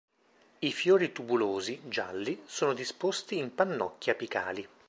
I fiori tubulosi, gialli, sono disposti in pannocchie apicali.